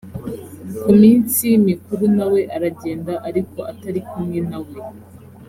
ku minsi mikuru na we aragenda ariko atari kumwe na we